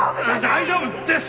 大丈夫です！